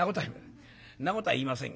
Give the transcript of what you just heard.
そんなことは言いません。